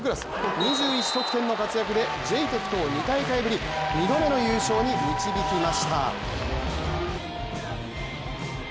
２１得点の活躍で、ジェイテクトを２大会ぶり、２度目の優勝に導きました。